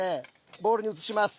ボウルに移します。